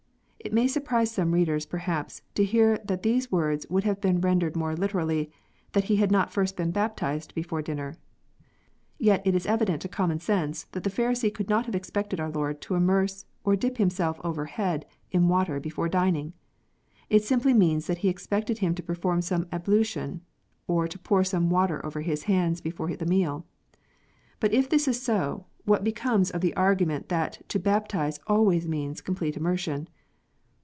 It may surprise some readers, perhaps, to hear that these words would have been rendered more liter ally, " that He had not first been baptized before dinner." Yet it is evident to common sense that the Pharisee could not have expected our Lord to immerse or dip Himself over head in water before dining ! It simply means that he expected Him to perform some ablution, or to pour water over His hands, before the meal. But if this is so, what becomes of the argu ment that to baptize always means complete " immersion